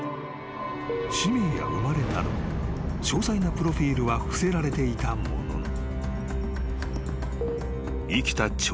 ［氏名や生まれなど詳細なプロフィルは伏せられていたものの］